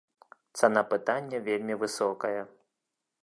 Цана пытання вельмі высокая.